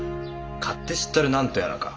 勝手知ったる何とやらか。